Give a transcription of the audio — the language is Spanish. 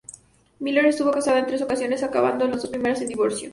Miller estuvo casada en tres ocasiones, acabando las dos primeras en divorcio.